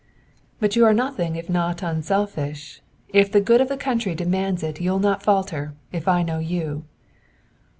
"But you are nothing if not unselfish. If the good of the country demands it you'll not falter, if I know you."